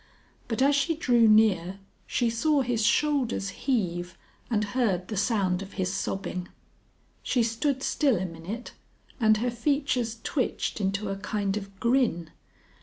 But as she drew near she saw his shoulders heave and heard the sound of his sobbing. She stood still a minute, and her features twitched into a kind of grin.